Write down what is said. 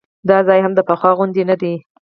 دا ځای هم د پخوا غوندې نه دی.